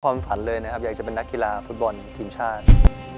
ฝันเลยนะครับอยากจะเป็นนักกีฬาฟุตบอลทีมชาติ